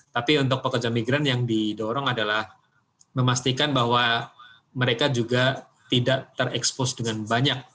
tapi untuk pekerja migran yang didorong adalah memastikan bahwa mereka juga tidak terekspos dengan banyak